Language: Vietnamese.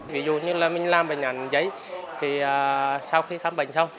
ví dụ như là mình làm bệnh án giấy thì sau khi khám bệnh xong